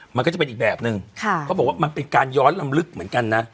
มันก็จะเป็นอีกแบบนึงเขาบอกว่ามันเป็นการย้อนลำลึกเหมือนกันนะ